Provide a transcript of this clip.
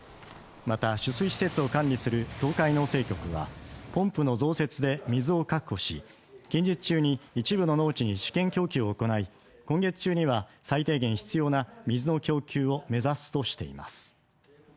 また、取水施設を管理する東海農政局は、ポンプの増設で水を確保し、近日中に一部の農地に試験供給を行い、今月中には最低限必要な水の供給を目指すとしています。